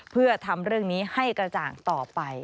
เพื่อทำเรื่องนี้ให้กระจ่างต่อไป